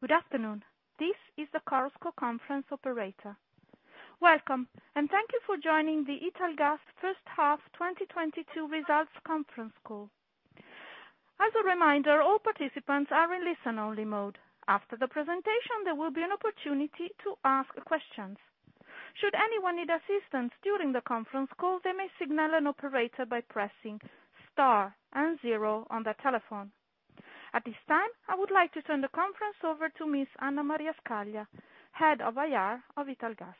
Good afternoon. This is the Chorus Call operator. Welcome, and thank you for joining the Italgas First Half 2022 Results Conference Call. As a reminder, all participants are in listen only mode. After the presentation, there will be an opportunity to ask questions. Should anyone need assistance during the conference call, they may signal an operator by pressing star and zero on their telephone. At this time, I would like to turn the conference over to Ms. Anna Maria Scaglia, Head of IR of Italgas.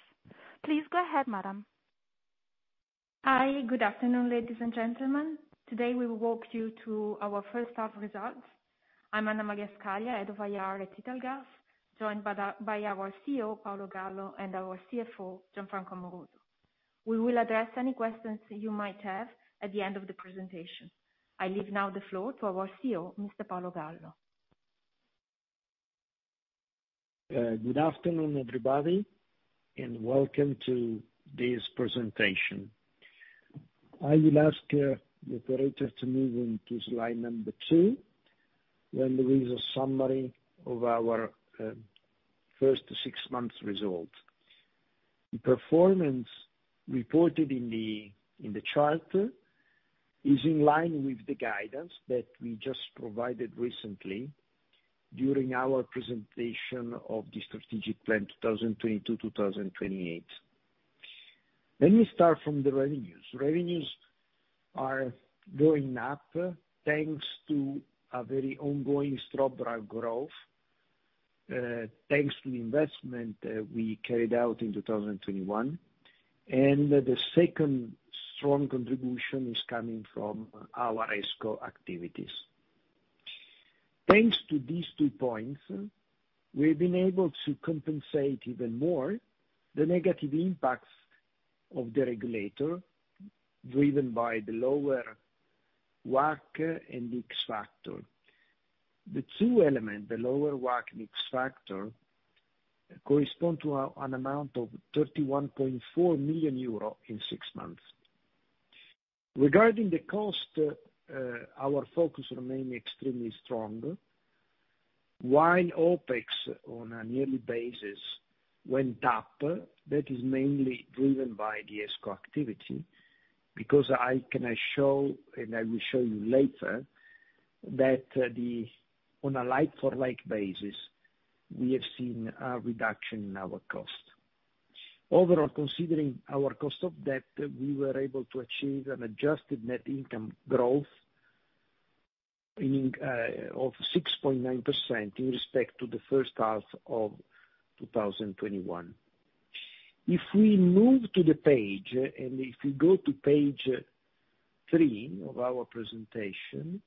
Please go ahead, Madam. Hi, good afternoon, ladies and gentlemen. Today, we will walk you through our first half results. I'm Anna Maria Scaglia, head of IR at Italgas, joined by our CEO, Paolo Gallo, and our CFO, Gianfranco Amoroso. We will address any questions you might have at the end of the presentation. I leave now the floor to our CEO, Mr. Paolo Gallo. Good afternoon, everybody, and welcome to this presentation. I will ask the operator to move into slide number two, where there is a summary of our first 6 months results. The performance reported in the chart is in line with the guidance that we just provided recently during our presentation of the strategic plan 2022-2028. Let me start from the revenues. Revenues are going up thanks to a very strong ongoing growth, thanks to the investment that we carried out in 2021, and the second strong contribution is coming from our ESCO activities. Thanks to these two points, we've been able to compensate even more the negative impacts of the regulatory, driven by the lower WACC and X-factor. The two elements, the lower WACC and mix factor, correspond to an amount of 31.4 million euro in six months. Regarding the cost, our focus remains extremely strong. While OpEx on a yearly basis went up, that is mainly driven by the ESCO activity, because I can show, and I will show you later, that on a like for like basis, we have seen a reduction in our cost. Overall, considering our cost of debt, we were able to achieve an adjusted net income growth of 6.9% in respect to the first half of 2021. If we move to the page, if we go to page 3 of our presentation,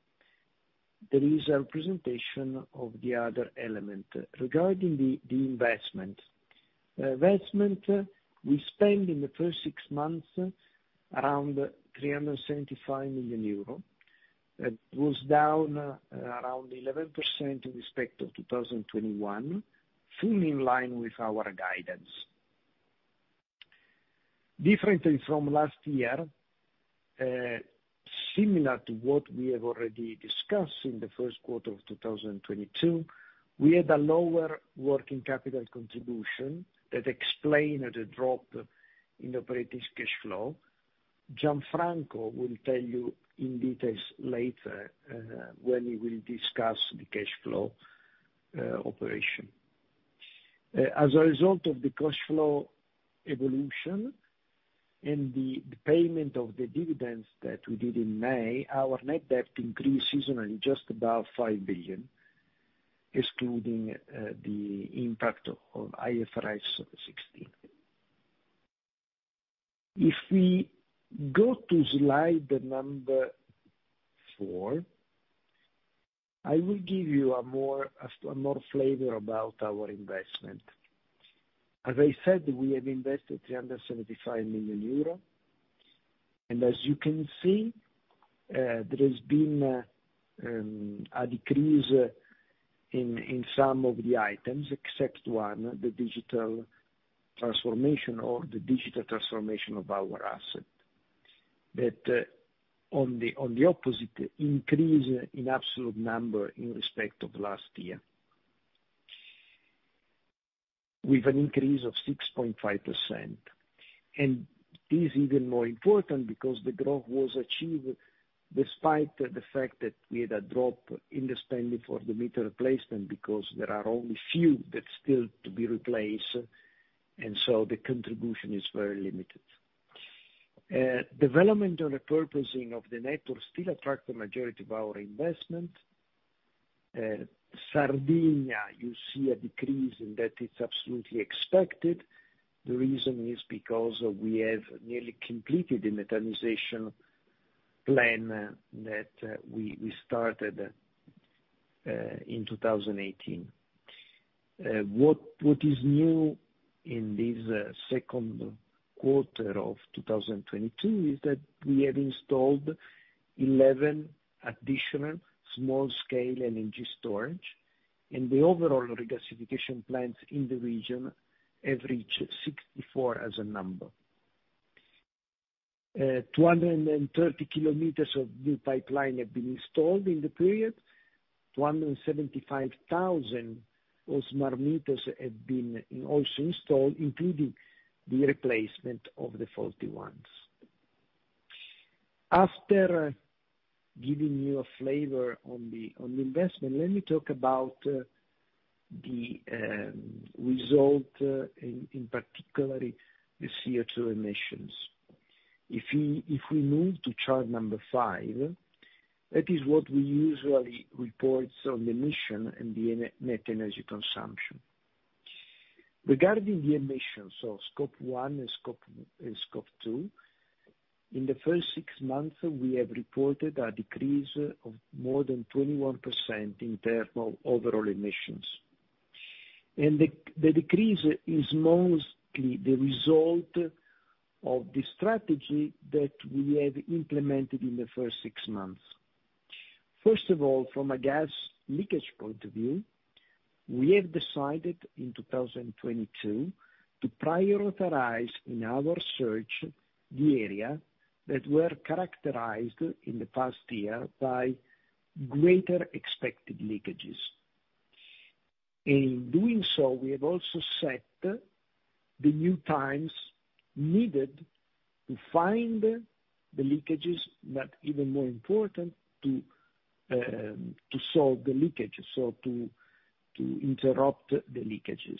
there is a presentation of the other element. Regarding the investment we spent in the first six months around 375 million euro. It was down around 11% in respect of 2021, fully in line with our guidance. Differently from last year, similar to what we have already discussed in the first quarter of 2022, we had a lower working capital contribution that explained the drop in operating cash flow. Gianfranco will tell you in detail later, when he will discuss the cash flow operation. As a result of the cash flow evolution and the payment of the dividends that we did in May, our net debt increased to just about 5 billion, excluding the impact of IFRS 16. If we go to slide number 4, I will give you a more flavor about our investment. As I said, we have invested 375 million euro. As you can see, there has been a decrease in some of the items, except one, the digital transformation of our asset. On the opposite, increase in absolute number in respect of last year. With an increase of 6.5%, and is even more important because the growth was achieved despite the fact that we had a drop in the spending for the meter replacement, because there are only a few that are still to be replaced, and so the contribution is very limited. Development and repurposing of the network still attract the majority of our investment. Sardinia, you see a decrease, and that is absolutely expected. The reason is because we have nearly completed the metallization plan that we started in 2018. What is new in this second quarter of 2022 is that we have installed 11 additional small-scale energy storage, and the overall regasification plants in the region have reached 64 as a number. 230 kilometers of new pipeline have been installed in the period. 175,000 smart meters have been also installed, including the replacement of the faulty ones. After giving you a flavor on the investment, let me talk about the result in particular the CO2 emissions. If we move to chart number 5, that is what we usually reports on the emission and the net energy consumption. Regarding the emissions of scope one and scope two, in the first six months, we have reported a decrease of more than 21% in terms of overall emissions. The decrease is mostly the result of the strategy that we have implemented in the first six months. First of all, from a gas leakage point of view, we have decided in 2022 to prioritize in our search the area that were characterized in the past year by greater expected leakages. In doing so, we have also set the new times needed to find the leakages, but even more important to solve the leakages, so to interrupt the leakages.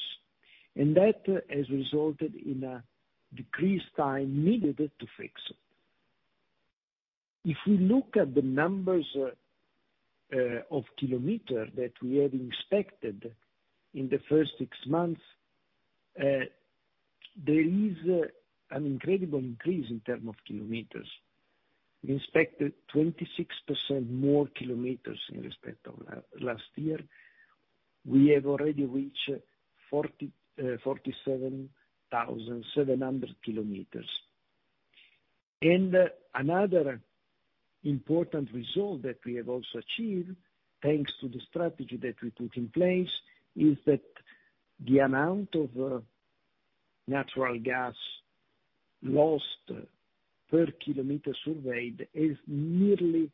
That has resulted in a decreased time needed to fix. If we look at the numbers of kilometer that we have inspected in the first six months, there is an incredible increase in term of kilometers. We inspected 26% more kilometers in respect of last year. We have already reached 47,700 kilometers. Another important result that we have also achieved, thanks to the strategy that we put in place, is that the amount of natural gas lost per kilometer surveyed is nearly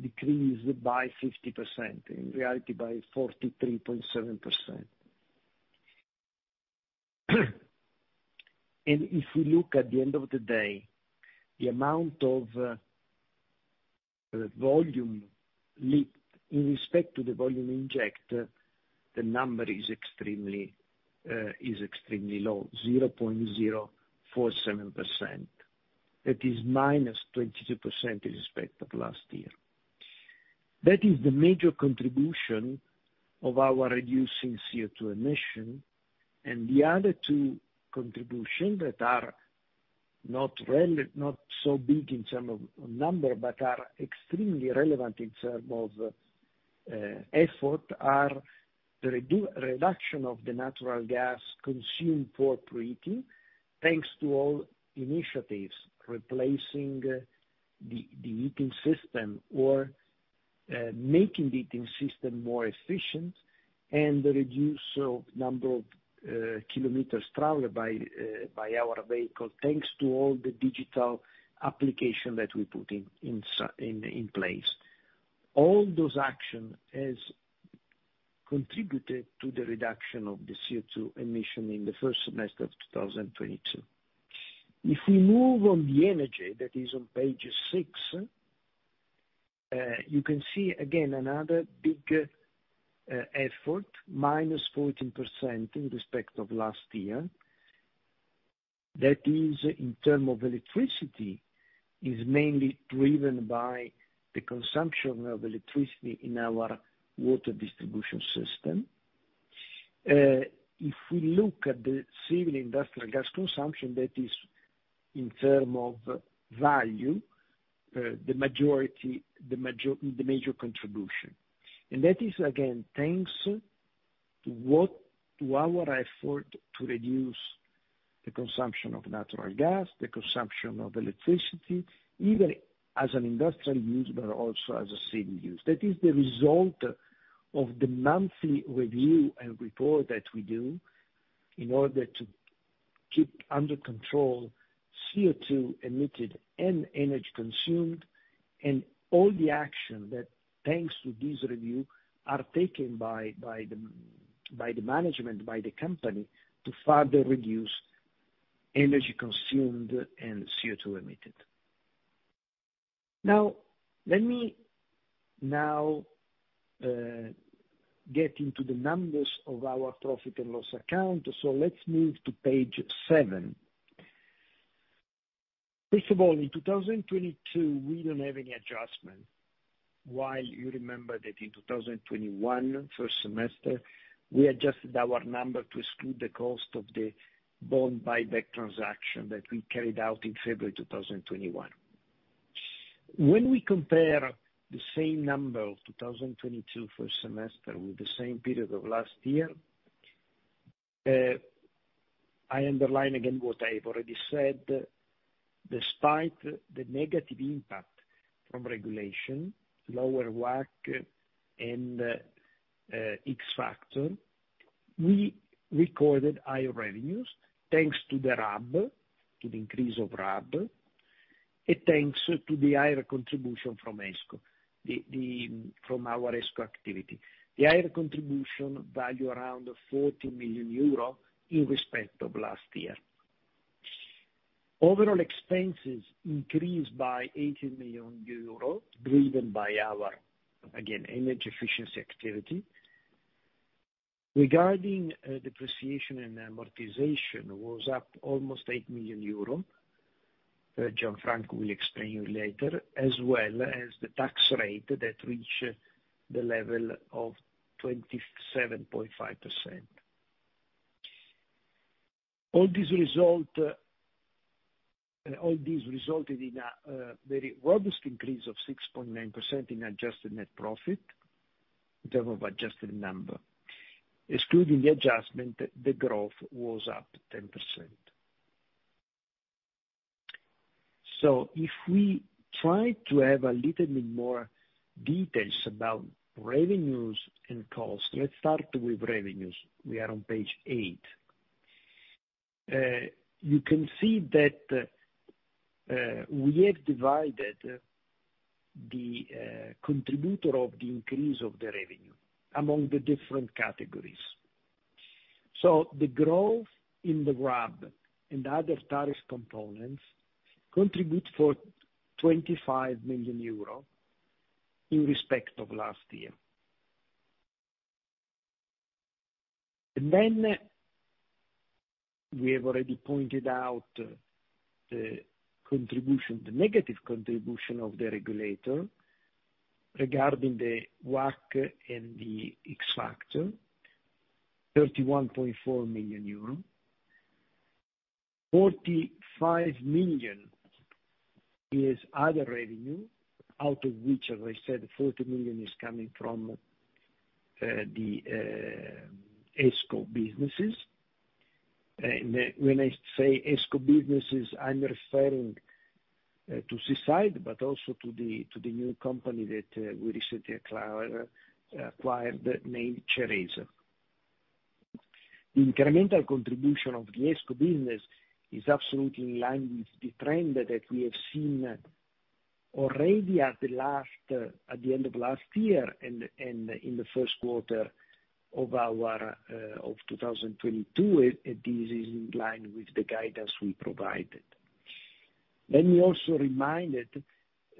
decreased by 50%, in reality, by 43.7%. If we look at the end of the day, the amount of volume leaked in respect to the volume injected, the number is extremely low, 0.047%. That is -22% in respect of last year. That is the major contribution of our reducing CO2 emission, and the other two contribution that are not so big in terms of number, but are extremely relevant in terms of effort, are reduction of the natural gas consumed for heating, thanks to all initiatives replacing the heating system or making the heating system more efficient and the reduced of number of kilometers traveled by our vehicle, thanks to all the digital application that we put in place. All those action has contributed to the reduction of the CO2 emission in the first semester of 2022. If we move on the energy that is on page six, you can see again another big effort, minus 14% in respect of last year. That, in terms of electricity, is mainly driven by the consumption of electricity in our water distribution system. If we look at the civil, industrial gas consumption, that is in terms of value, the major contribution. That is again, thanks to our effort to reduce the consumption of natural gas, the consumption of electricity, even as an industrial user, but also as end use. That is the result of the monthly review and report that we do in order to keep under control CO2 emitted and energy consumed, and all the action that, thanks to this review, are taken by the management, by the company to further reduce energy consumed and CO2 emitted. Now, let me get into the numbers of our profit and loss account. Let's move to page seven. First of all, in 2022, we don't have any adjustment. While you remember that in 2021 first semester, we adjusted our number to exclude the cost of the bond buyback transaction that we carried out in February 2021. When we compare the same number of 2022 first semester with the same period of last year, I underline again what I've already said, despite the negative impact from regulation, lower WACC and X-factor. We recorded higher revenues, thanks to the RAB, to the increase of RAB, and thanks to the higher contribution from ESCO, from our ESCO activity. The higher contribution value around 40 million euro in respect of last year. Overall expenses increased by 80 million euros, driven by our, again, energy efficiency activity. Regarding depreciation and amortization was up almost 8 million euro, Gianfranco will explain you later, as well as the tax rate that reached the level of 27.5%. All this resulted in a very robust increase of 6.9% in adjusted net profit in term of adjusted number. Excluding the adjustment, the growth was up 10%. If we try to have a little bit more details about revenues and costs, let's start with revenues. We are on page 8. You can see that we have divided the contributor of the increase of the revenue among the different categories. The growth in the RAB and other tariff components contribute for 25 million euro in respect of last year. We have already pointed out the contribution, the negative contribution of the regulator regarding the WACC and the X-factor, 31.4 million euro. 45 million is other revenue, out of which, as I said, 40 million is coming from the ESCO businesses. When I say ESCO businesses, I'm referring to Seaside, but also to the new company that we recently acquired named Fratelli Ceresa. The incremental contribution of the ESCO business is absolutely in line with the trend that we have seen already at the end of last year and in the first quarter of 2022. It is in line with the guidance we provided. Let me also remind it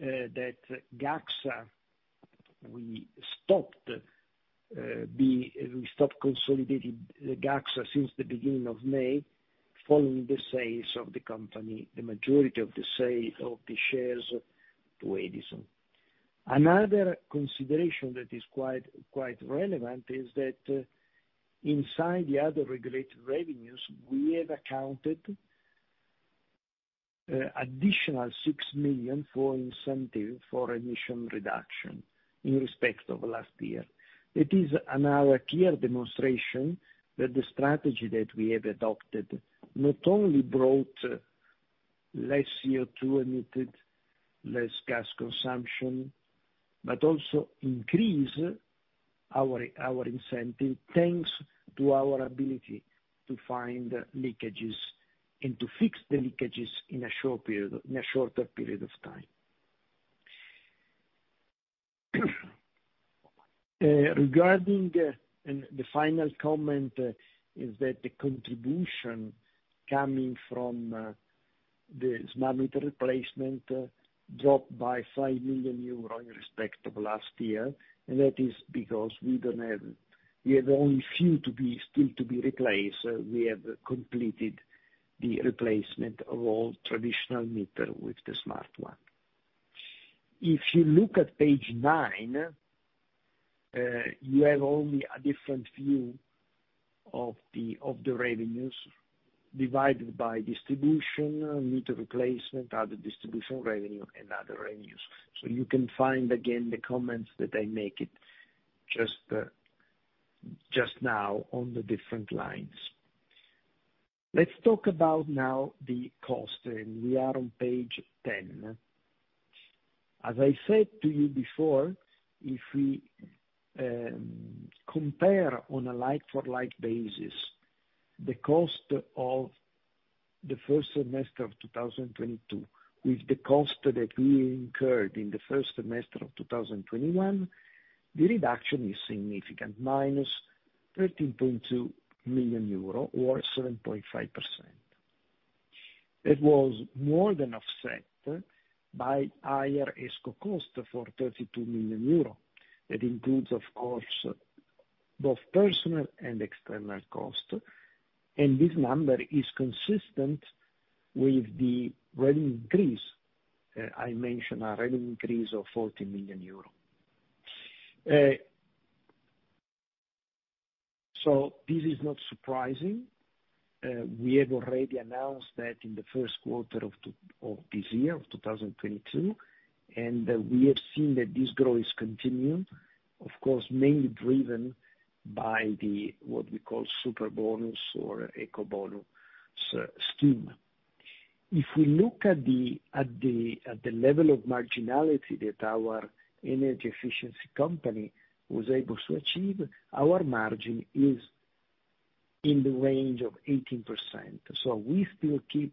that Gaxa, we stopped consolidating Gaxa since the beginning of May, following the sale of the majority of the shares to Edison. Another consideration that is quite relevant is that inside the other regulated revenues, we have accounted additional 6 million for incentive for emission reduction in respect of last year. It is another clear demonstration that the strategy that we have adopted not only brought less CO2 emitted, less gas consumption, but also increased our incentive, thanks to our ability to find leakages and to fix the leakages in a short period, in a shorter period of time. The final comment is that the contribution coming from the smart meter replacement dropped by 5 million euros in respect of last year. That is because we don't have. We have only few still to be replaced. We have completed the replacement of all traditional meter with the smart one. If you look at page 9, you have only a different view of the revenues divided by distribution, meter replacement, other distribution revenue, and other revenues. You can find again the comments that I make it just now on the different lines. Let's talk about now the cost, and we are on page 10. As I said to you before, if we compare on a like-for-like basis, the cost of the first semester of 2022 with the cost that we incurred in the first semester of 2021, the reduction is significant, -13.2 million euro or 7.5%. It was more than offset by higher ESCO cost for 32 million euro. That includes of course, both personal and external cost. This number is consistent with the revenue increase, I mentioned, a revenue increase of 40 million euros. This is not surprising. We have already announced that in the first quarter of this year, 2022, and we have seen that this growth is continuing, of course, mainly driven by the, what we call Superbonus or Ecobonus, scheme. If we look at the level of marginality that our energy efficiency company was able to achieve, our margin is in the range of 18%, so we still keep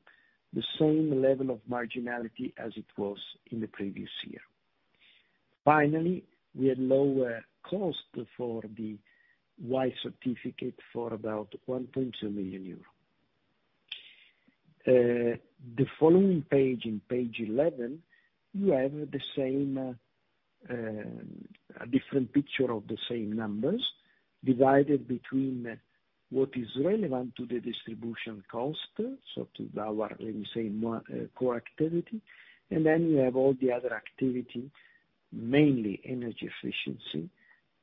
the same level of marginality as it was in the previous year. Finally, we had lower cost for the white certificate for about 1.2 million euro. The following page, in page 11, you have the same, a different picture of the same numbers divided between what is relevant to the distribution cost, so to our, let me say, core activity, and then you have all the other activity, mainly energy efficiency,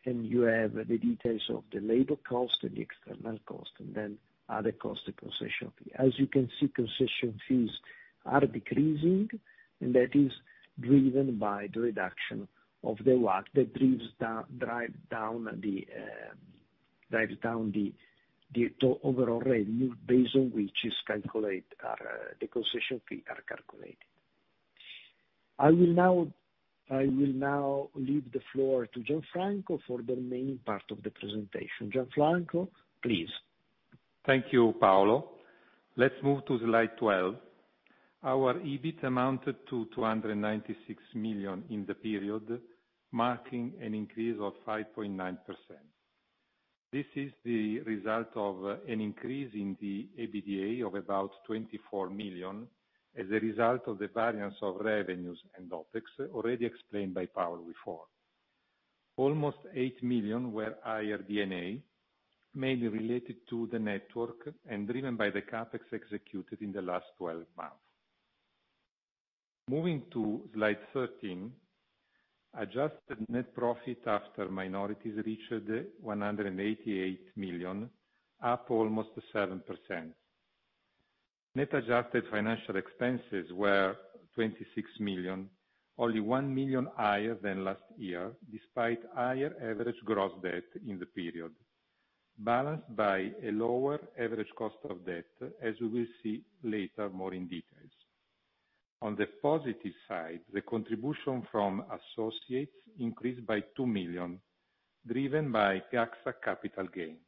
and you have the details of the labor cost and the external cost, and then other cost of concession. As you can see, concession fees are decreasing, and that is driven by the reduction of the WACC that drives down the overall revenue based on which is calculated our, the concession fee are calculated. I will now leave the floor to Gianfranco Amoroso for the main part of the presentation. Gianfranco, please. Thank you, Paolo. Let's move to slide 12. Our EBIT amounted to 296 million in the period, marking an increase of 5.9%. This is the result of an increase in the EBITDA of about 24 million as a result of the variance of revenues and OpEx already explained by Paolo before. Almost 8 million were higher D&A, mainly related to the network and driven by the CapEx executed in the last 12 months. Moving to slide 13, adjusted net profit after minorities reached 188 million, up almost 7%. Net adjusted financial expenses were 26 million, only 1 million higher than last year, despite higher average gross debt in the period, balanced by a lower average cost of debt, as we will see later more in details. On the positive side, the contribution from associates increased by 2 million, driven by Gaxa capital gain.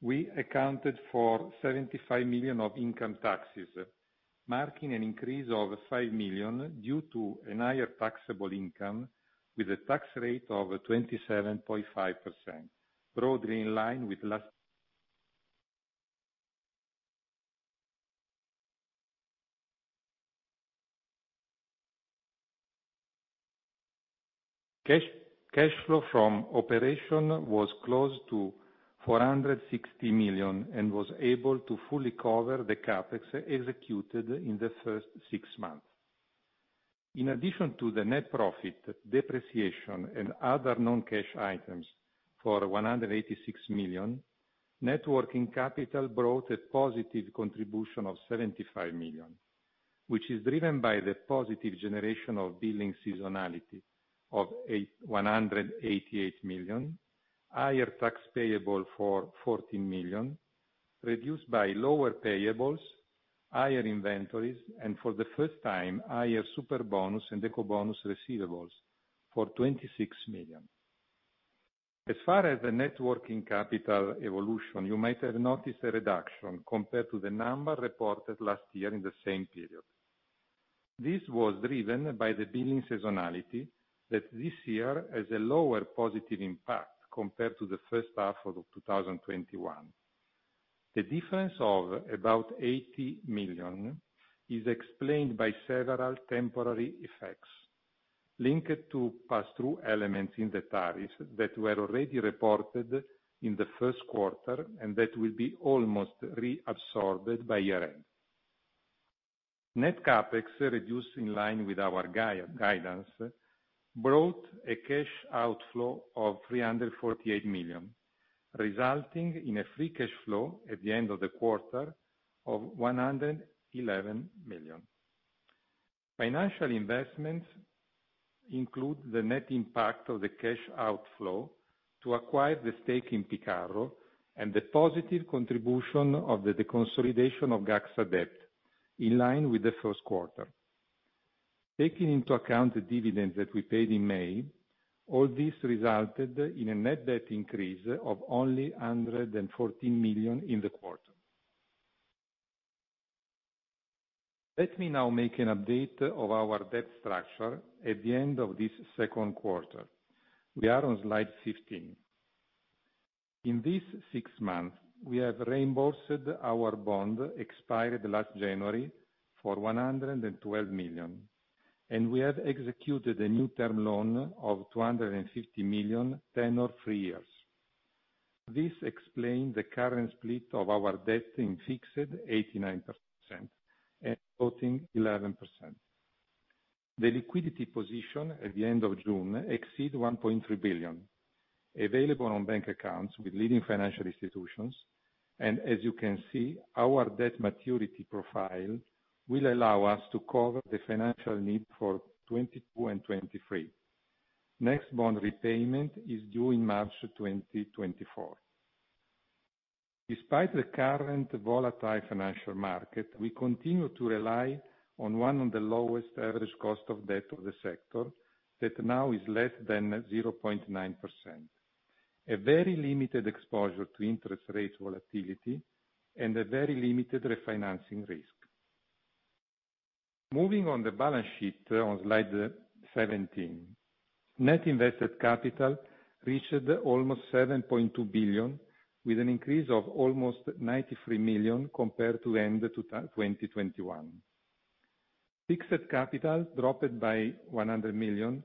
We accounted for 75 million of income taxes, marking an increase of 5 million due to a higher taxable income with a tax rate of 27.5%, broadly in line with last year. Cash flow from operations was close to 460 million and was able to fully cover the CapEx executed in the first six months. In addition to the net profit depreciation and other non-cash items for 186 million, net working capital brought a positive contribution of 75 million, which is driven by the positive generation of billing seasonality of 188 million, higher tax payable for 14 million, reduced by lower payables, higher inventories, and for the first time, higher Superbonus and Ecobonus receivables for 26 million. As far as the net working capital evolution, you might have noticed a reduction compared to the number reported last year in the same period. This was driven by the billing seasonality that this year has a lower positive impact compared to the first half of 2021. The difference of about 80 million is explained by several temporary effects linked to pass-through elements in the tariffs that were already reported in the first quarter, and that will be almost reabsorbed by year-end. Net CapEx reduced in line with our guidance, brought a cash outflow of 348 million, resulting in a free cash flow at the end of the quarter of 111 million. Financial investments include the net impact of the cash outflow to acquire the stake in Picarro and the positive contribution of the deconsolidation of Gaxa debt in line with the first quarter. Taking into account the dividends that we paid in May, all this resulted in a net debt increase of only 114 million in the quarter. Let me now make an update of our debt structure at the end of this second quarter. We are on slide 15. In this six months, we have reimbursed our bond expired last January for 112 million, and we have executed a new term loan of 250 million, tenor 3 years. This explains the current split of our debt in fixed 89% and floating 11%. The liquidity position at the end of June exceeds 1.3 billion available on bank accounts with leading financial institutions. As you can see, our debt maturity profile will allow us to cover the financial need for 2022 and 2023. Next bond repayment is due in March 2024. Despite the current volatile financial market, we continue to rely on one of the lowest average cost of debt of the sector that now is less than 0.9%. A very limited exposure to interest rates volatility, and a very limited refinancing risk. Moving on the balance sheet on slide 17. Net invested capital reached almost 7.2 billion, with an increase of almost 93 million compared to end 2021. Fixed capital dropped by 100 million,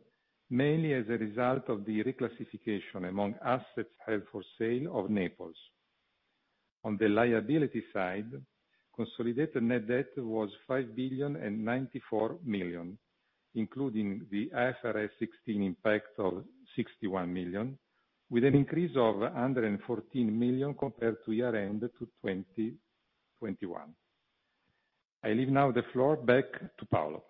mainly as a result of the reclassification among assets held for sale of Naples. On the liability side, consolidated net debt was 5.094 billion, including the IFRS 16 impact of 61 million, with an increase of 114 million compared to year-end 2021. I leave now the floor back to Paolo.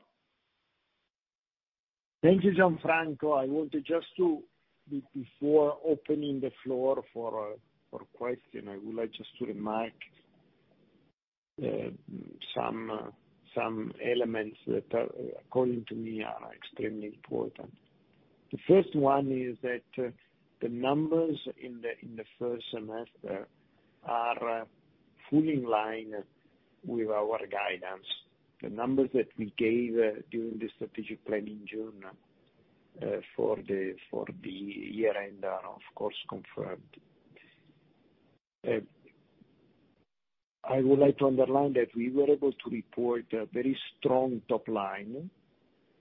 Thank you, Gianfranco Amoroso. I wanted just to, before opening the floor for question, I would like just to remark some elements that are, according to me, extremely important. The first one is that the numbers in the first semester are fully in line with our guidance. The numbers that we gave during the strategic planning in June for the year-end are of course confirmed. I would like to underline that we were able to report a very strong top line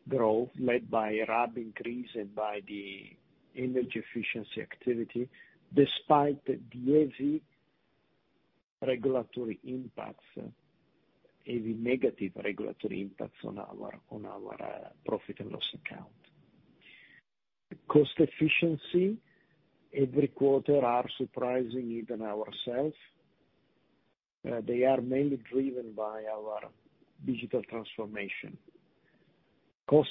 growth led by RAB increase and by the energy efficiency activity, despite the heavy regulatory impacts, heavy negative regulatory impacts on our profit and loss account. Cost efficiency every quarter are surprising even ourselves. They are mainly driven by our digital transformation. Cost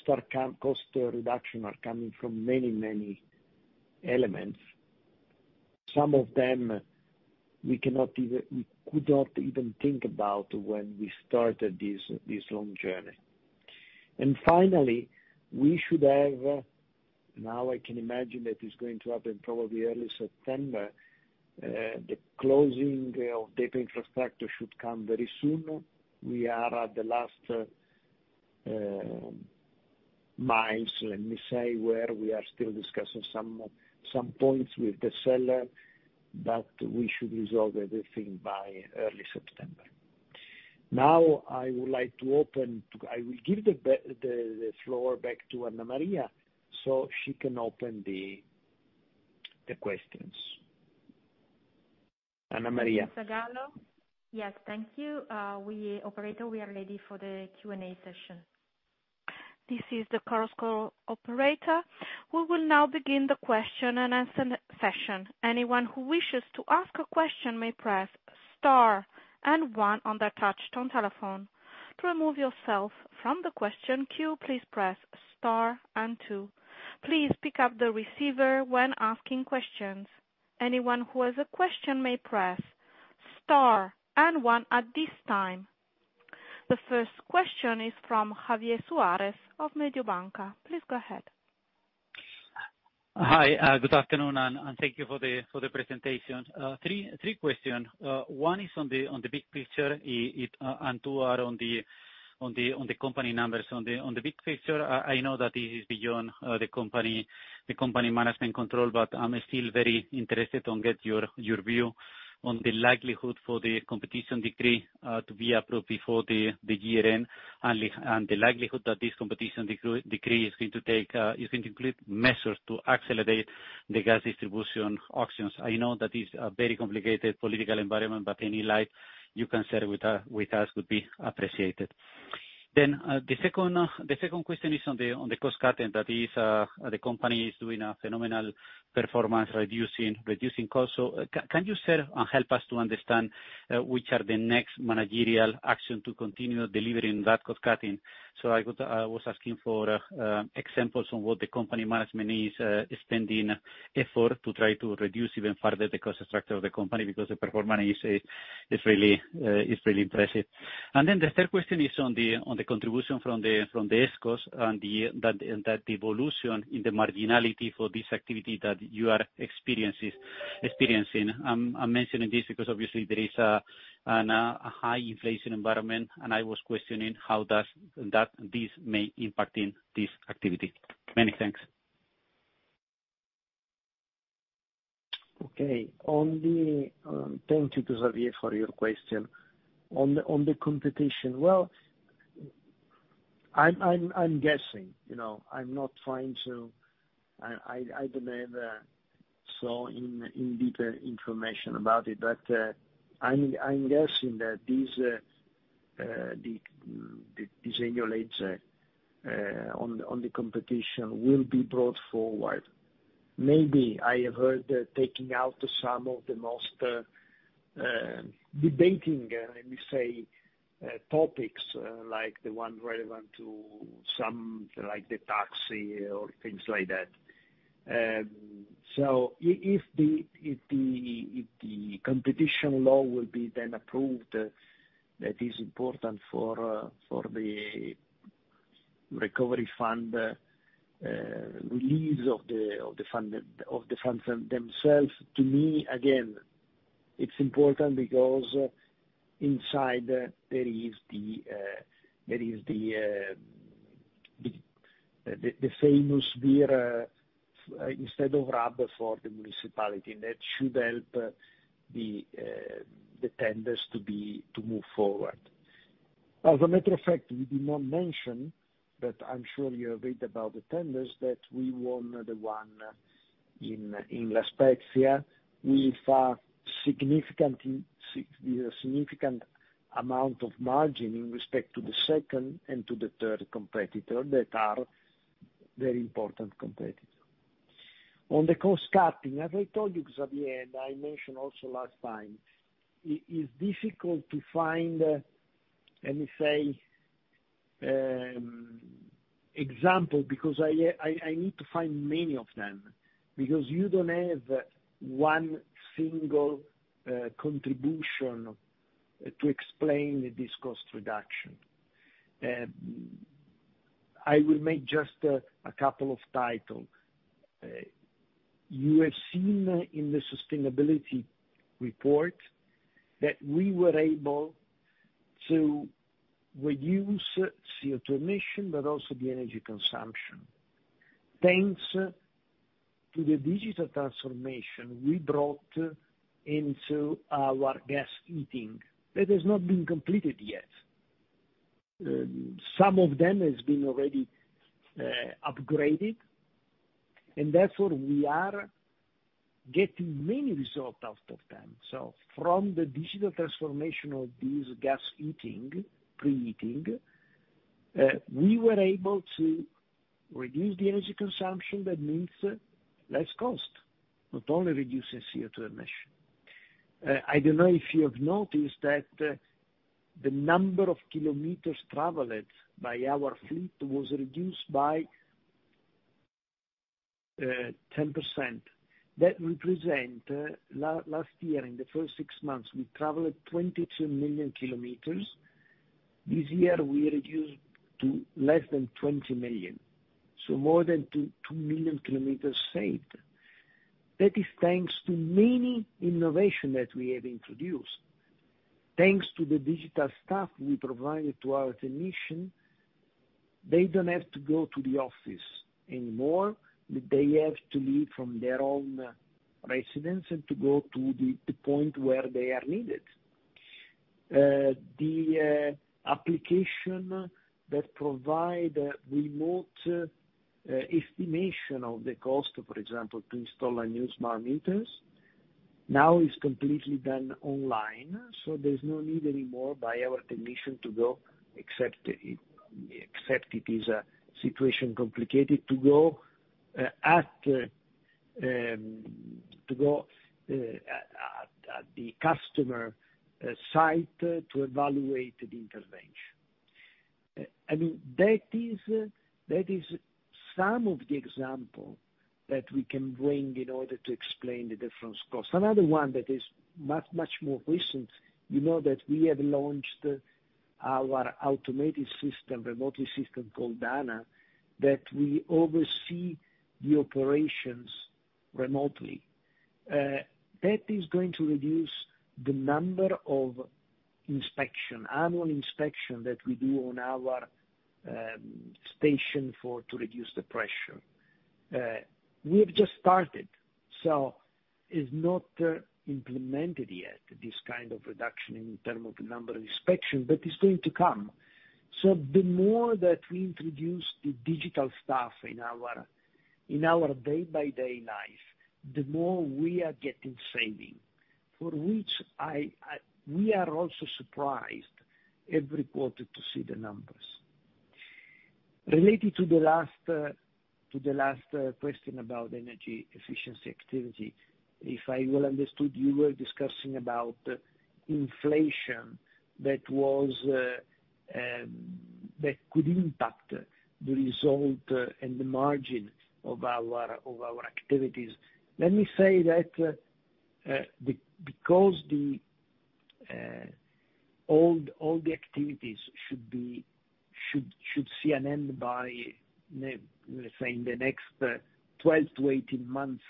reduction are coming from many, many elements. Some of them, we could not even think about when we started this long journey. Finally, we should have. Now, I can imagine that it's going to happen probably early September, the closing of DEPA Infrastructure should come very soon. We are at the last miles, let me say, where we are still discussing some points with the seller, but we should resolve everything by early September. Now, I will give the floor back to Anna Maria, so she can open the questions. Anna Maria. Yes, thank you. Operator, we are ready for the Q&A session. This is the Chorus Call operator. We will now begin the question and answer session. Anyone who wishes to ask a question may press star and one on their touch tone telephone. To remove yourself from the question queue, please press star and two. Please pick up the receiver when asking questions. Anyone who has a question may press star and one at this time. The first question is from Javier Suarez of Mediobanca. Please go ahead. Hi, good afternoon, and thank you for the presentation. Three questions. One is on the big picture, and two are on the company numbers. On the big picture, I know that this is beyond the company management control, but I'm still very interested in getting your view on the likelihood for the Competition Decree to be approved before the year end, and the likelihood that this Competition Decree is going to include measures to accelerate the gas distribution auctions. I know that it's a very complicated political environment, but any light you can share with us would be appreciated. The second question is on the cost cutting, that is, the company is doing a phenomenal performance reducing costs. Can you share and help us to understand which are the next managerial action to continue delivering that cost cutting? I was asking for examples on what the company management is exerting effort to try to reduce even further the cost structure of the company, because the performance is really impressive. The third question is on the contribution from the ESCOs and the evolution in the marginality for this activity that you are experiencing. I'm mentioning this because obviously there is a high inflation environment, and I was questioning this may impact in this activity. Many thanks. Okay. Thank you to Javier for your question. On the competition. Well, I'm guessing, you know. I'm not trying to. I don't have so detailed information about it, but I'm guessing that the schedules on the competition will be brought forward. Maybe I have heard taking out some of the most debated, let me say, topics, like the one relevant to some, like the taxis or things like that. If the competition law will be then approved, that is important for the recovery fund release of the funds themselves. To me, again, it's important because inside there is the famous VIR instead of RAB for the municipality, and that should help the tenders to move forward. As a matter of fact, we did not mention, but I'm sure you have read about the tenders that we won the one in La Spezia with a significant amount of margin in respect to the second and to the third competitor that are very important competitor. On the cost cutting, as I told you, Javier, and I mentioned also last time, it's difficult to find, let me say, example because I need to find many of them because you don't have one single contribution to explain this cost reduction. I will make just a couple of titles. You have seen in the sustainability report that we were able to reduce CO2 emission, but also the energy consumption. Thanks to the digital transformation we brought into our gas heating. That has not been completed yet. Some of them has been already upgraded, and therefore we are getting many result out of them. From the digital transformation of these gas heating, preheating, we were able to reduce the energy consumption. That means less cost, not only reduces CO2 emission. I don't know if you have noticed that the number of kilometers traveled by our fleet was reduced by 10%. That represent last year, in the first six months, we traveled 22 million kilometers. This year we reduced to less than 20 million, so more than 2 million kilometers saved. That is thanks to many innovation that we have introduced. Thanks to the digital stuff we provided to our technician, they don't have to go to the office anymore. They have to leave from their own residence and to go to the point where they are needed. The application that provide remote estimation of the cost, for example, to install our new smart meters now is completely done online, so there's no need anymore by our technician to go, except it is a situation complicated to go at the customer site to evaluate the intervention. I mean, that is some of the example that we can bring in order to explain the difference cost. Another one that is much more recent, you know that we have launched our automated system, remote system called DANA, that we oversee the operations remotely. That is going to reduce the number of inspection, annual inspection that we do on our station for to reduce the pressure. We have just started, so it's not implemented yet, this kind of reduction in terms of number inspection, but it's going to come. The more that we introduce the digital stuff in our day-by-day life, the more we are getting saving, for which we are also surprised every quarter to see the numbers. Related to the last question about energy efficiency activity. If I well understood, you were discussing about inflation that could impact the result and the margin of our activities. Let me say that because all the activities should see an end by May, let's say in the next 12-18 months,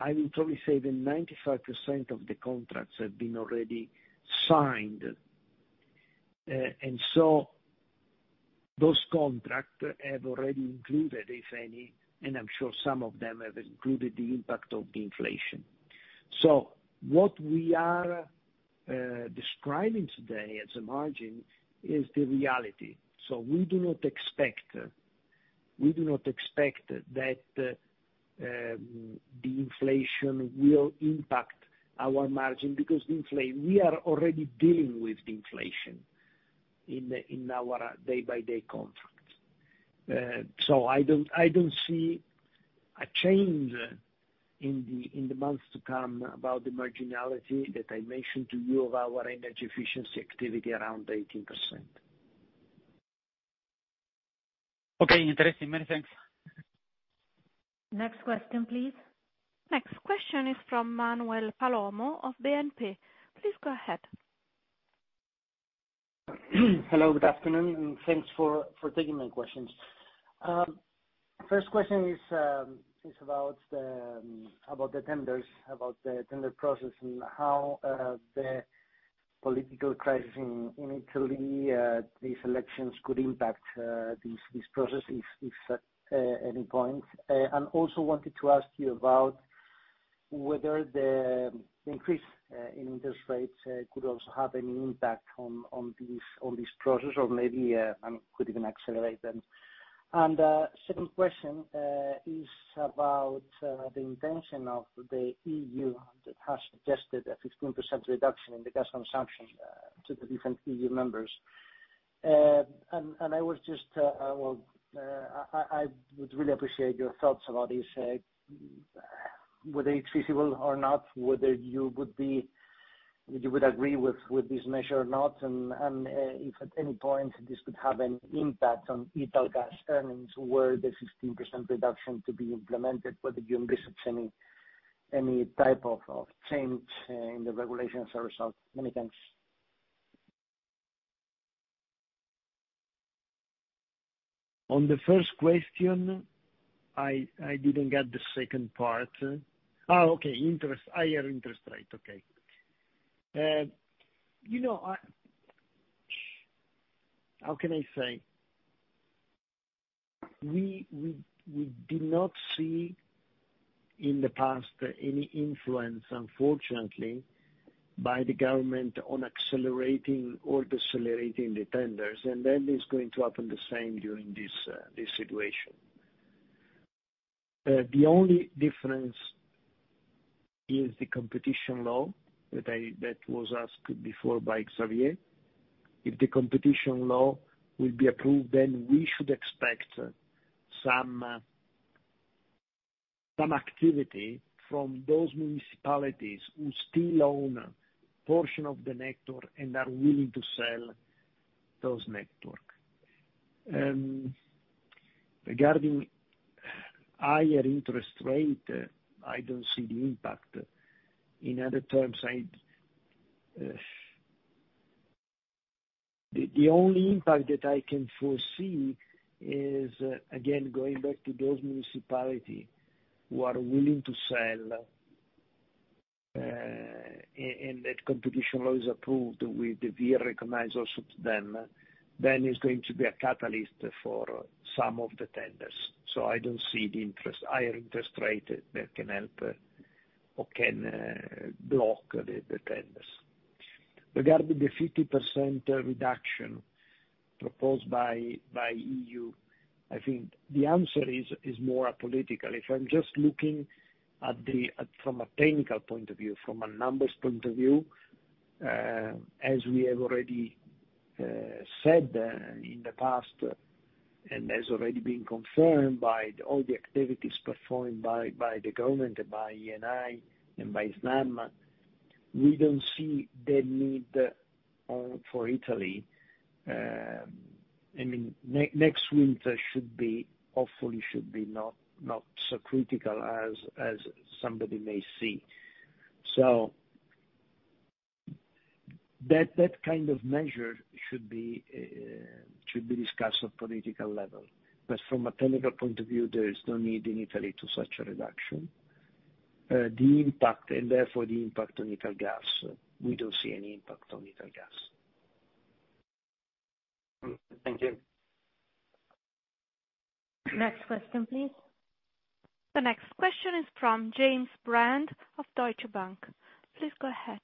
I will probably say that 95% of the contracts have been already signed. Those contracts have already included, if any, and I'm sure some of them have included the impact of the inflation. What we are describing today as a margin is the reality. We do not expect that the inflation will impact our margin because the inflation we are already dealing with in our day-by-day contracts. I don't see a change in the months to come about the marginality that I mentioned to you of our energy efficiency activity around 18%. Okay, interesting. Many thanks. Next question, please. Next question is from Manuel Palomo of BNP. Please go ahead. Hello, good afternoon, and thanks for taking my questions. First question is about the tenders, about the tender process and how the political crisis in Italy these elections could impact this process if at any point. Also wanted to ask you about whether the increase in interest rates could also have any impact on this process or maybe could even accelerate them. Second question is about the intention of the EU that has suggested a 15% reduction in the gas consumption to the different EU members. I would really appreciate your thoughts about this, whether it's feasible or not, whether you would agree with this measure or not, if at any point this could have an impact on Italgas earnings, were the 15% reduction to be implemented, whether you envisage any type of change in the regulations or result. Many thanks. On the first question, I didn't get the second part. Oh, okay. Interest. Higher interest rate. Okay. You know, how can I say? We did not see, in the past, any influence, unfortunately, by the government on accelerating or decelerating the tenders, and that is going to happen the same during this situation. The only difference is the Competition Law that was asked before by Javier Suarez. If the Competition Law will be approved, then we should expect some activity from those municipalities who still own a portion of the network and are willing to sell those networks. Regarding higher interest rate, I don't see the impact. In other terms, I The only impact that I can foresee is, again, going back to those municipality who are willing to sell, and that competition law is approved with the VIR recognition also to them, then it's going to be a catalyst for some of the tenders. I don't see the interest, higher interest rate that can help or can block the tenders. Regarding the 50% reduction proposed by EU, I think the answer is more political. If I'm just looking at from a technical point of view, from a numbers point of view, as we have already said in the past, and has already been confirmed by all the activities performed by the government and by Eni and by Snam, we don't see the need for Italy. I mean, next winter should be, hopefully, not so critical as somebody may see. That kind of measure should be discussed on political level. From a technical point of view, there is no need in Italy to seek a reduction. The impact, therefore, on Italgas, we don't see any impact on Italgas. Thank you. Next question, please. The next question is from James Brand of Deutsche Bank. Please go ahead.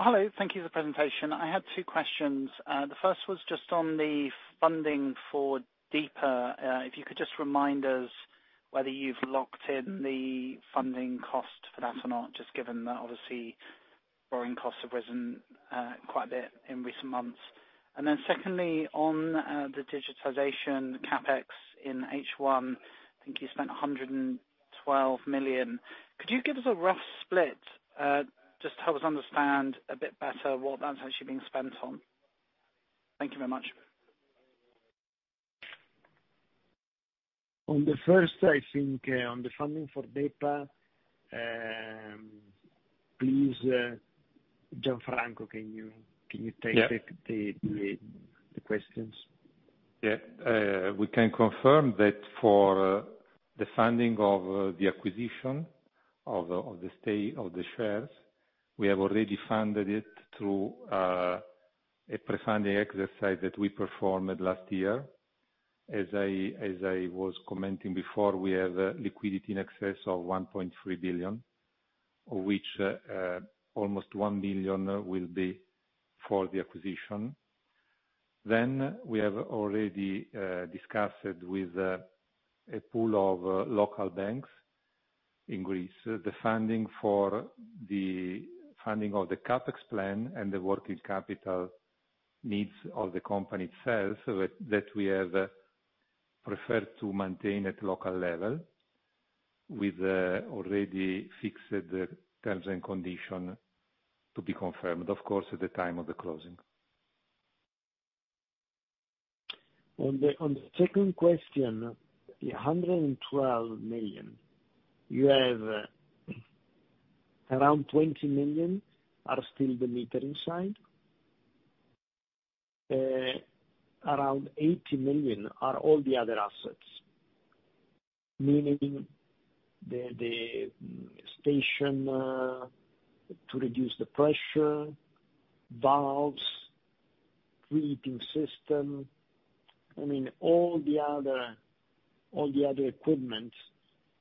Hello. Thank you for the presentation. I had two questions. The first was just on the funding for DEPA. If you could just remind us whether you've locked in the funding cost for that or not, just given that obviously borrowing costs have risen quite a bit in recent months. Secondly, on the digitization CapEx in H1, I think you spent 112 million. Could you give us a rough split just to help us understand a bit better what that's actually being spent on? Thank you very much. On the first, I think, on the funding for DEPA, please, Gianfranco, can you take the- Yeah. The questions? Yeah, we can confirm that for the funding of the acquisition of the stake of the shares, we have already funded it through a pre-funding exercise that we performed last year. As I was commenting before, we have liquidity in excess of 1.3 billion, of which almost 1 billion will be for the acquisition. We have already discussed with a pool of local banks in Greece the funding for the CapEx plan and the working capital needs of the company itself, so we have preferred to maintain at local level with already fixed terms and conditions to be confirmed, of course, at the time of the closing. The second question, the 112 million, you have around 20 million are still the metering side. Around 80 million are all the other assets, meaning the station to reduce the pressure, valves, pre-heating system. I mean, all the other equipment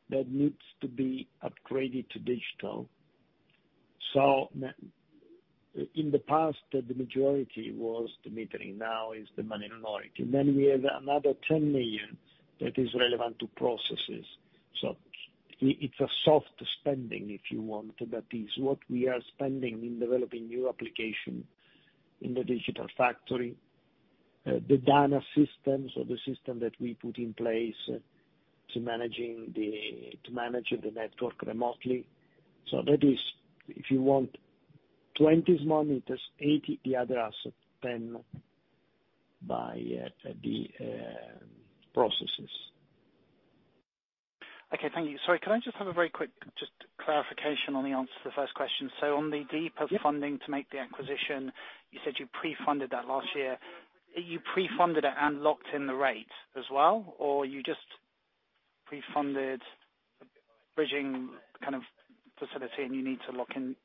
that needs to be upgraded to digital. In the past, the majority was the metering, now is the minority. We have another 10 million that is relevant to processes. It's a soft spending, if you want. That is what we are spending in developing new application in the Digital Factory, the data systems or the system that we put in place to manage the network remotely. That is, if you want 20 meters, 80 the other assets, 10 the processes. Okay, thank you. Sorry, could I just have a very quick just clarification on the answer to the first question? On the DEPA. Yeah. funding to make the acquisition, you said you pre-funded that last year. You pre-funded it and locked in the rate as well, or you just pre-funded bridging kind of facility and you need to lock in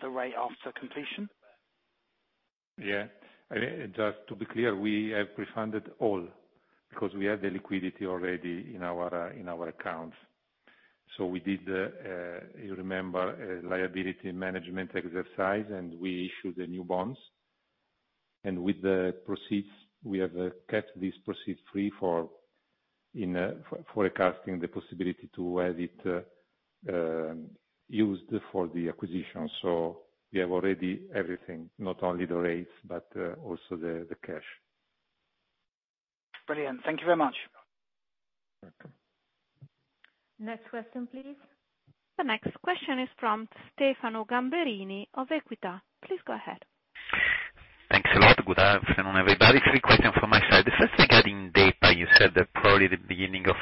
the rate after completion? Yeah. Just to be clear, we have pre-funded all because we have the liquidity already in our accounts. We did, you remember, a liability management exercise, and we issued the new bonds. With the proceeds, we have kept these proceeds free for financing the possibility to have it used for the acquisition. We have already everything, not only the rates, but also the cash. Brilliant. Thank you very much. Welcome. Next question, please. The next question is from Stefano Gamberini of Equita. Please go ahead. Thanks a lot. Good afternoon, everybody. Three questions from my side. The first regarding DEPA, you said that probably the beginning of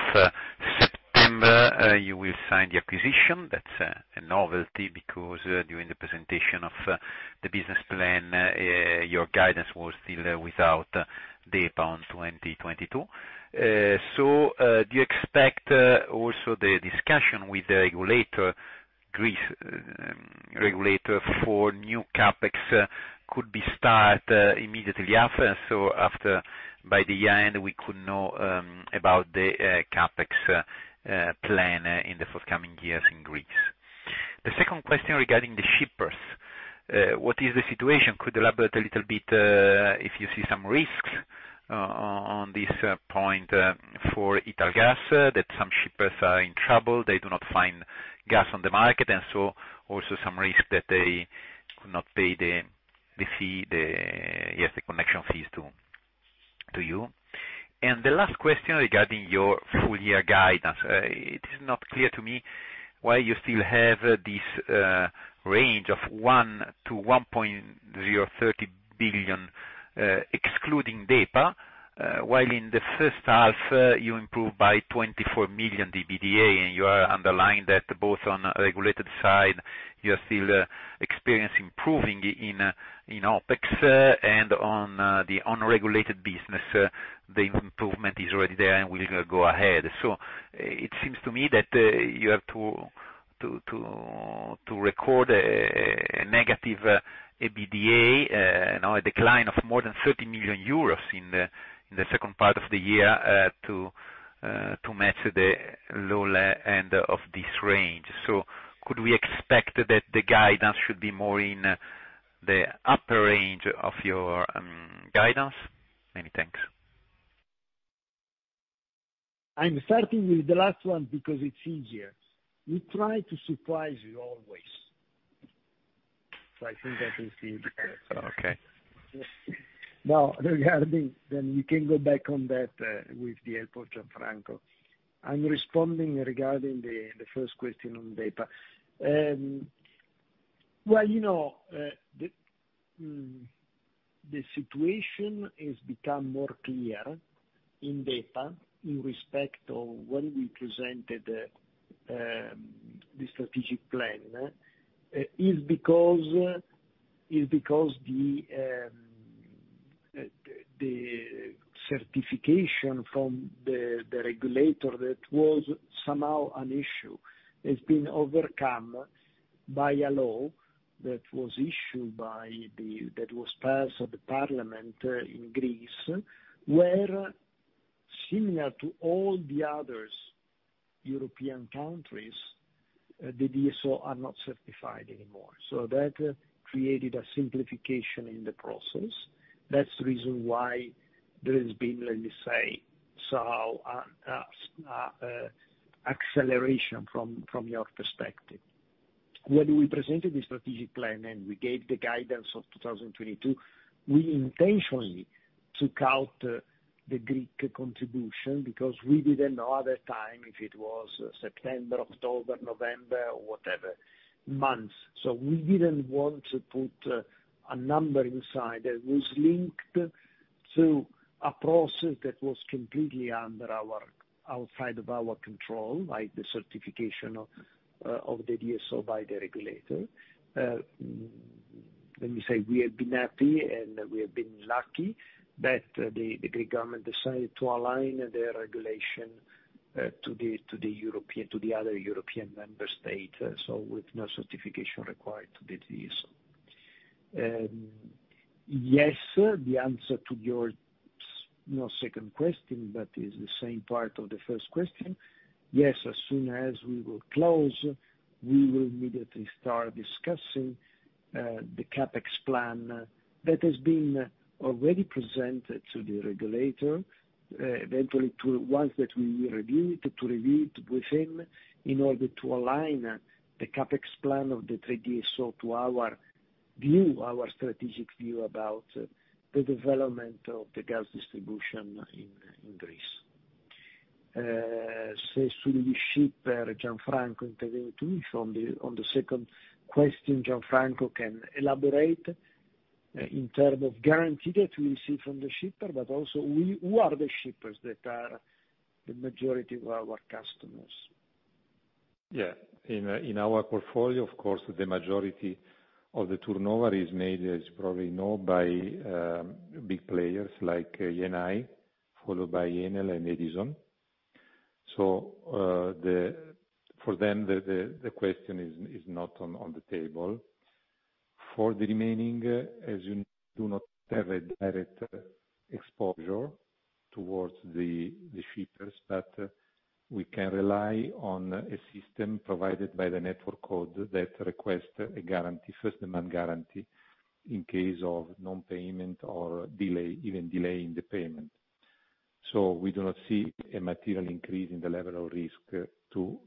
September you will sign the acquisition. That's a novelty because during the presentation of the business plan your guidance was still without DEPA in 2022. Do you expect also the discussion with the Greek regulator for new CapEx could start immediately after, so that by the end we could know about the CapEx plan in the forthcoming years in Greece. The second question regarding the shippers. What is the situation? Could you elaborate a little bit, if you see some risks, on this point, for Italgas, that some shippers are in trouble, they do not find gas on the market, and so also some risk that they could not pay the fee, yes, the connection fees to you. The last question regarding your full year guidance. It is not clear to me why you still have this range of 1 billion-1.03 billion, excluding DEPA, while in the first half, you improved by 24 million EBITDA, and you are underlying that both on a regulated side, you are still experiencing improving in OpEx. On the unregulated business, the improvement is already there and will go ahead. It seems to me that you have to record a negative EBITDA, you know, a decline of more than 30 million euros in the second part of the year to match the lower end of this range. Could we expect that the guidance should be more in the upper range of your guidance? Many thanks. I'm starting with the last one because it's easier. We try to surprise you always. I think I can see. Okay. We can go back on that, with the help of Gianfranco I'm responding regarding the first question on DEPA. Well, you know, the situation has become more clear in DEPA in respect of when we presented the strategic plan, is because the certification from the regulator that was somehow an issue has been overcome by a law that was passed at the parliament in Greece, where similar to all the other European countries, the DSO are not certified anymore. That created a simplification in the process. That's the reason why there has been, let me say, some acceleration from your perspective. When we presented the strategic plan and we gave the guidance of 2022, we intentionally took out the Greek contribution because we didn't know at that time if it was September, October, November, or whatever month. We didn't want to put a number inside that was linked to a process that was completely outside of our control, like the certification of the DSO by the regulator. Let me say, we have been happy, and we have been lucky that the Greek government decided to align their regulation to the other European member states, so with no certification required to the DSO. Yes, sir, the answer to your second question is the same as the first question. Yes, as soon as we will close, we will immediately start discussing the CapEx plan that has been already presented to the regulator, eventually to review it with him in order to align the CapEx plan of the three DSO to our view, our strategic view about the development of the gas distribution in Greece. Gianfranco On the second question, Gianfranco can elaborate in terms of guarantee that we see from the shipper, but also who are the shippers that are the majority of our customers. Yeah. In our portfolio, of course, the majority of the turnover is made, as you probably know, by big players like Eni, followed by Enel and Edison. For them, the question is not on the table. For the remaining, as you do not have a direct exposure towards the shippers, but we can rely on a system provided by the Network Code that requests a guarantee, first demand guarantee, in case of non-payment or delay in the payment. We do not see a material increase in the level of risk to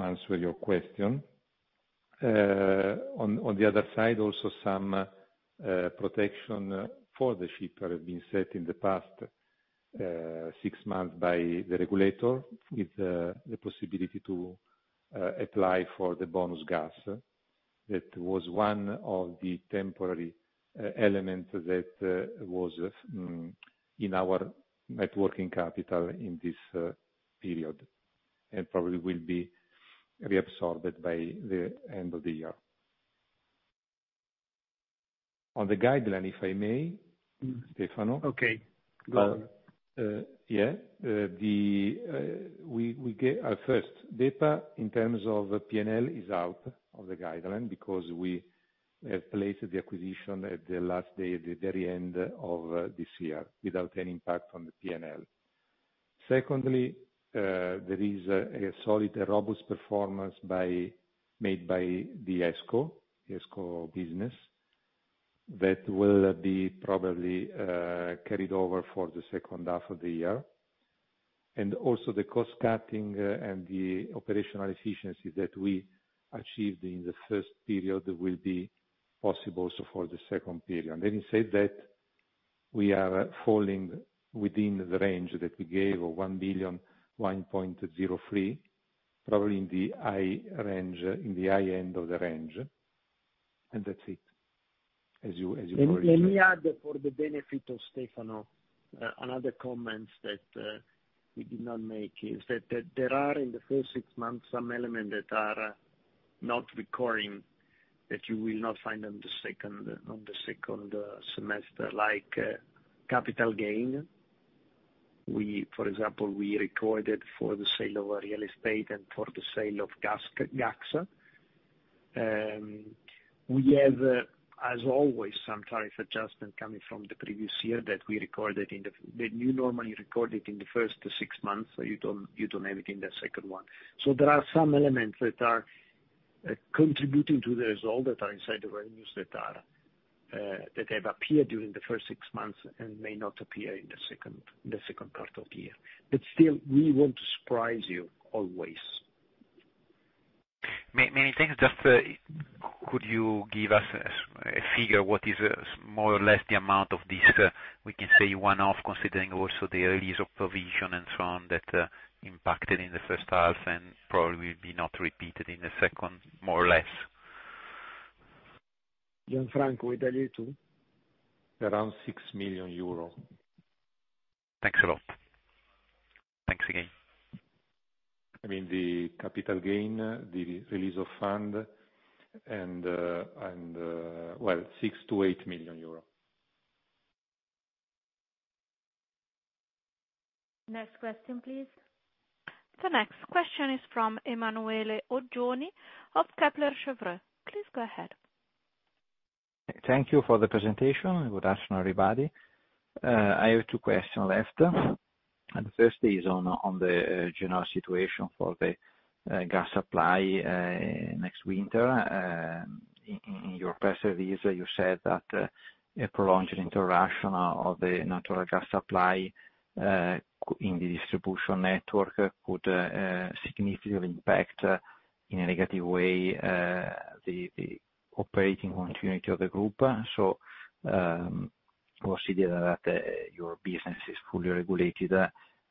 answer your question. On the other side, also some protection for the shipper has been set in the past six months by the regulator with the possibility to apply for the Bonus Gas. That was one of the temporary elements that was in our net working capital in this period and probably will be reabsorbed by the end of the year. On the guideline, if I may, Stefano. Okay, go on. We get our first data in terms of P&L is out of the guideline because we have placed the acquisition at the last day, at the very end of this year, without any impact on the P&L. Secondly, there is a solid, robust performance made by the ESCO business that will probably be carried over for the second half of the year. Also the cost cutting and the operational efficiency that we achieved in the first period will be possible also for the second period. Having said that, we are falling within the range that we gave of 1 billion-1.03 billion, probably in the high range, in the high end of the range. That's it, as you already said. Let me add for the benefit of Stefano another comment that he did not make, is that there are in the first six months some elements that are not recurring, that you will not find on the second semester, like capital gain. We, for example, recorded for the sale of our real estate and for the sale of Gaxa. We have, as always, some tariff adjustment coming from the previous year that you normally record it in the first six months, so you don't have it in the second one. There are some elements that are contributing to the result that are inside the revenues that have appeared during the first six months and may not appear in the second part of the year. Still, we want to surprise you always. May I just, could you give us a figure what is more or less the amount of this, we can say one-off considering also the release of provision and so on that impacted in the first half and probably will be not repeated in the second, more or less? Gianfranco, would you like to? Around 6 million euros. Thanks a lot. Thanks again. I mean, the capital gain, the release of fund and well, EUR 6 million-EUR 8 million. Next question, please. The next question is from Emanuele Oggioni of Kepler Cheuvreux. Please go ahead. Thank you for the presentation. Good afternoon, everybody. I have two questions left. The first is on the general situation for the gas supply next winter. In your press release, you said that a prolonged interruption of the natural gas supply in the distribution network could significantly impact in a negative way the operating continuity of the group. Considering that your business is fully regulated,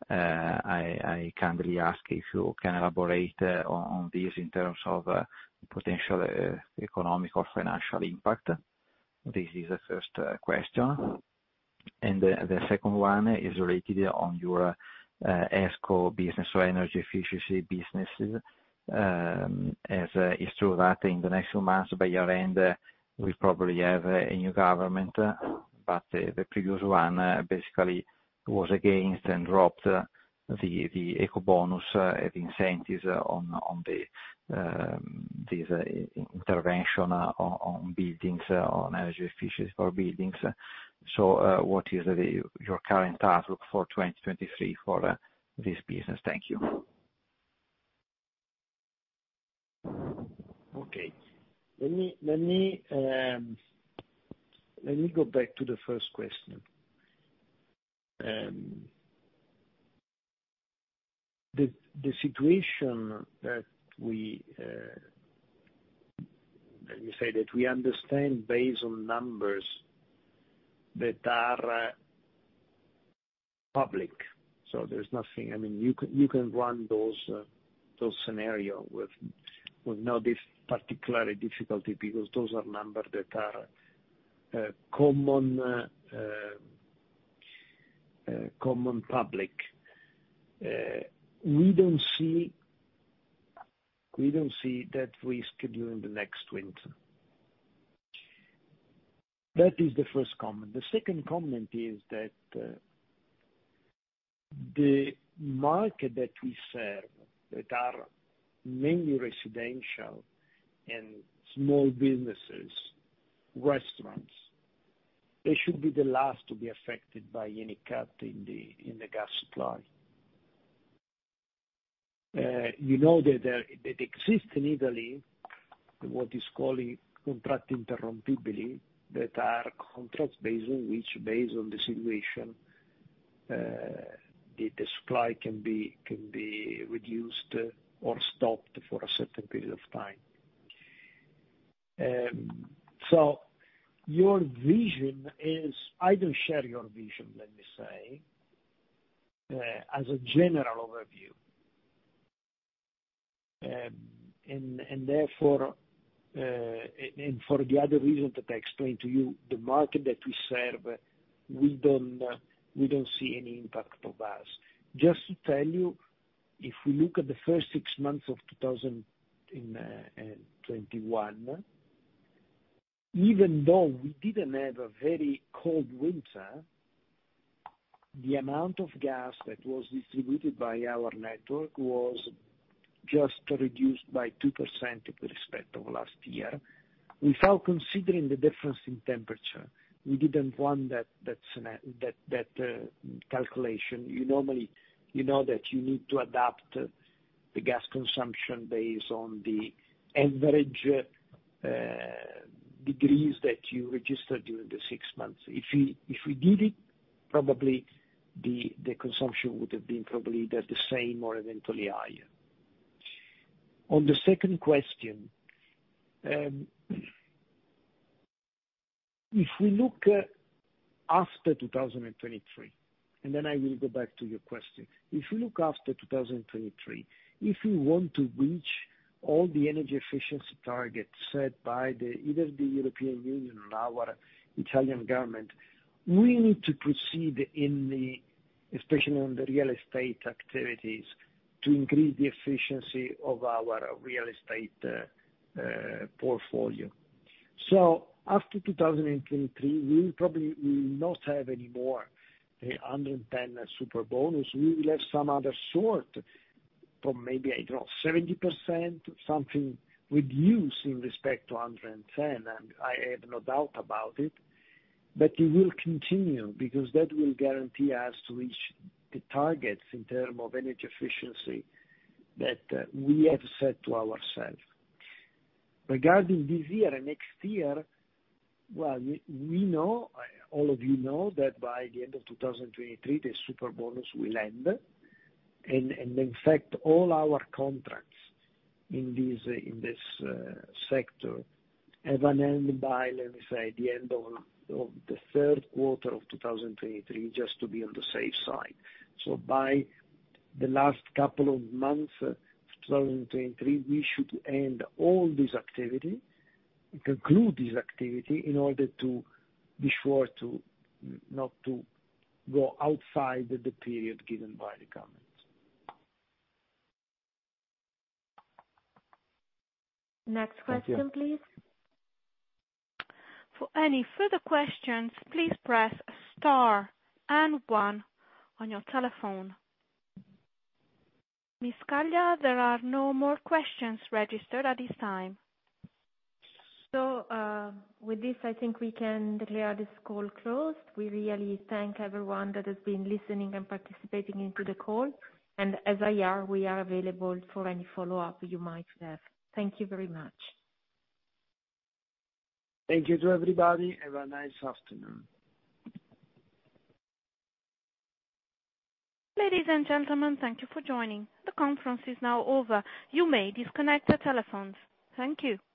I kindly ask if you can elaborate on this in terms of potential economic or financial impact. This is the first question. The second one is related to your ESCO business or energy efficiency businesses. It is true that in the next few months, by year-end, we probably have a new government. The previous one basically was against and dropped the Ecobonus, the incentives on this intervention on buildings, on energy efficiency for buildings. What is your current outlook for 2023 for this business? Thank you. Okay. Let me go back to the first question. The situation that we let me say that we understand based on numbers that are public, so there's nothing. I mean, you can run those scenarios with no particular difficulty because those are numbers that are common public. We don't see that risk during the next winter. That is the first comment. The second comment is that the market that we serve that are mainly residential and small businesses, restaurants, they should be the last to be affected by any cut in the gas supply. You know that that exists in Italy, what is called contratti interrompibili, that are contracts based on which, based on the situation, the supply can be reduced or stopped for a certain period of time. Your vision is. I don't share your vision, let me say, as a general overview. Therefore, for the other reason that I explained to you, the market that we serve, we don't see any impact on us. Just to tell you, if we look at the first six months of 2021, even though we didn't have a very cold winter, the amount of gas that was distributed by our network was just reduced by 2% with respect to last year. Without considering the difference in temperature, we didn't want that calculation. You normally, you know, that you need to adapt the gas consumption based on the average degrees that you registered during the six months. If we did it, probably the consumption would have been probably the same or eventually higher. On the second question, if we look at after 2023, and then I will go back to your question. If we look after 2023, if we want to reach all the energy efficiency targets set by the, either the European Union or our Italian government, we need to proceed in the, especially on the real estate activities, to increase the efficiency of our real estate portfolio. After 2023, we will probably not have any more 110% Superbonus. We will have some other sort, from maybe, I don't know, 70%, something reduced in respect to 110%, and I have no doubt about it. We will continue because that will guarantee us to reach the targets in terms of energy efficiency that we have set to ourselves. Regarding this year and next year, well, we know, all of you know, that by the end of 2023, the Superbonus will end. In fact, all our contracts in this sector have an end by, let me say, the end of the third quarter of 2023, just to be on the safe side. By the last couple of months of 2023, we should end all this activity, conclude this activity, in order to be sure to not to go outside the period given by the government. Next question, please. Thank you. For any further questions, please press star and one on your telephone. Ms. Scaglia, there are no more questions registered at this time. With this, I think we can declare this call closed. We really thank everyone that has been listening and participating into the call. As always, we are available for any follow-up you might have. Thank you very much. Thank you to everybody. Have a nice afternoon. Ladies and gentlemen, thank you for joining. The conference is now over. You may disconnect your telephones. Thank you.